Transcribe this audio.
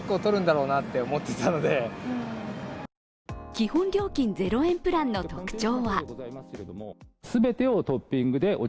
基本料金０円プランの特徴は？